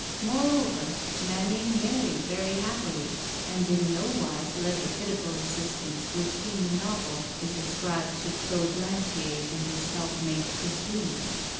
Moreover, Manet married very happily, and in no wise led the pitiful existence which in the novel is ascribed to Claude Lantier and his helpmate, Christine.